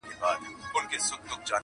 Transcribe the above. • واه زرګر چناره دسروزرو منګوټي راغله,